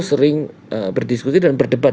sering berdiskusi dan berdebat